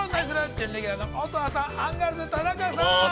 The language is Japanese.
準レギュラーの乙葉さん、アンガールズ、田中さん。